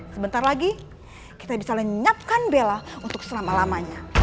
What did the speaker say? sebentar lagi kita bisa lenyapkan bella untuk selama lamanya